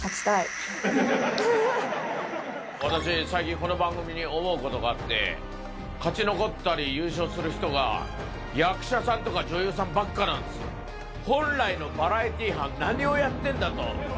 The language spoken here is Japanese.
私、最近、この番組に思うことがあって、勝ち残ったり優勝する人が、役者さんとか、女優さんばっかなんですよ。本来のバラエティー班、何をやってんだと。